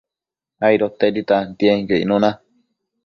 aidotedi tantienquio icnuna